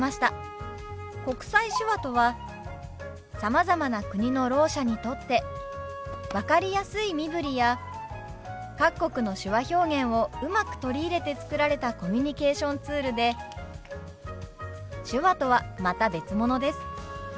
国際手話とはさまざまな国のろう者にとって分かりやすい身振りや各国の手話表現をうまく取り入れて作られたコミュニケーションツールで手話とはまた別物です。